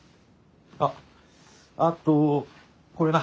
あっあとこれな。